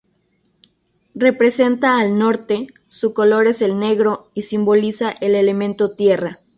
Representa al norte, su color es el negro y simboliza el elemento tierra.